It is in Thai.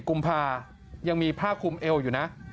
กุมภายังมีผ้าคุมเอวอยู่นะ